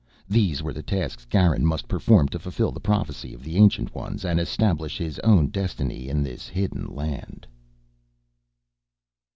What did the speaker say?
These were the tasks Garin must perform to fulfill the prophecy of the Ancient Ones and establish his own destiny in this hidden land!